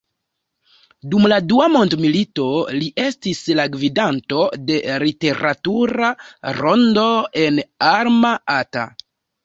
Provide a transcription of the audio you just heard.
Dum la dua mondmilito li estis la gvidanto de literatura rondo en Alma Ata.